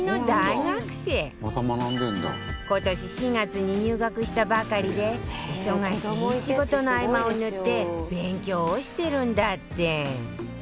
今年４月に入学したばかりで忙しい仕事の合間を縫って勉強をしてるんだって